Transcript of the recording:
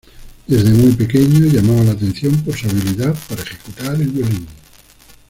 Desde muy pequeño llamaba la atención por su habilidad para ejecutar el violín.